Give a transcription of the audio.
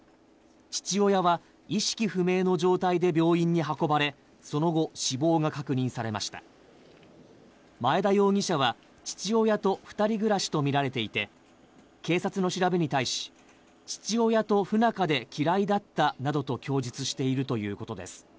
父親は意識不明の状態で病院に運ばれその後死亡が確認されました前田容疑者は父親と二人暮らしとみられていて警察の調べに対し父親と不仲で嫌いだったなどと供述しているということです